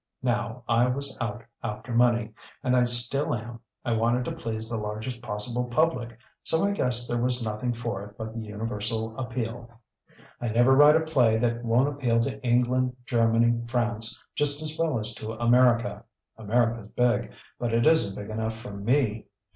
Now, I was out after money. And I still am. I wanted to please the largest possible public. So I guessed there was nothing for it but the universal appeal. I never write a play that won't appeal to England, Germany, France, just as well as to America. America's big, but it isn't big enough for me....